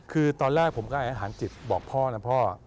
คือตอนแรกผมก็ให้อาหารจิตบอกพ่อนะพ่อ